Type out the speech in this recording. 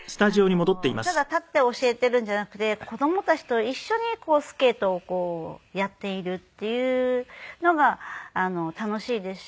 ただ立って教えているんじゃなくて子供たちと一緒にスケートをやっているっていうのが楽しいですし。